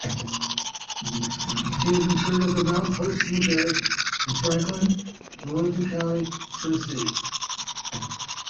He is interred at the Mount Hope Cemetery in Franklin, in Williamson County, Tennessee.